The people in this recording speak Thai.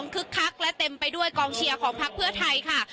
คักและเต็มไปด้วยกองเชียร์ของพักเพื่อไทยค่ะ